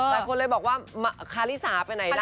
หลายคนเลยบอกว่าคาริสาไปไหนล่ะ